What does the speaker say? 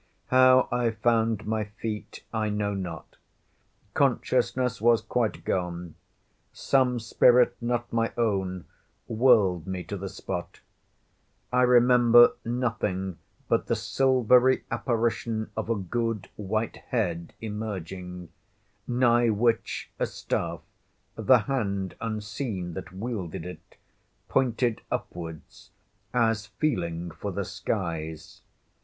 How I found my feet, I know not. Consciousness was quite gone. Some spirit, not my own, whirled me to the spot. I remember nothing but the silvery apparition of a good white head emerging; nigh which a staff (the hand unseen that wielded it) pointed upwards, as feeling for the skies.